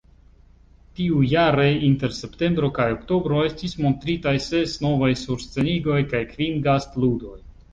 Tiujare, inter septembro kaj oktobro, estis montritaj ses novaj surscenigoj kaj kvin gastludoj.